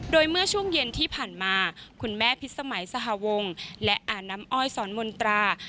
โดยเมื่อช่วงเย็นที่ผ่านมาคุณแม่พิษสมัยสหวงและอาน้ำอ้อยสอนมนตรา